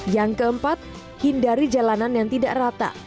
yang keempat hindari jalanan yang tidak rata